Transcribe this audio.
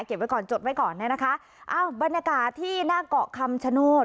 ไว้ก่อนจดไว้ก่อนเนี่ยนะคะอ้าวบรรยากาศที่หน้าเกาะคำชโนธ